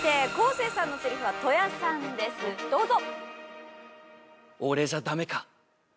生さんのセリフは戸谷さんですどうぞ！